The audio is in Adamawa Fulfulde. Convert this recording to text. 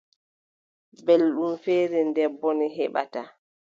Belɗum feere nder bone heɓata.